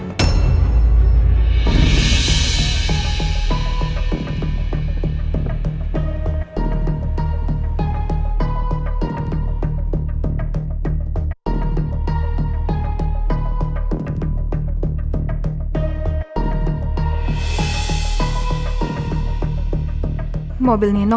kita bisa munculineren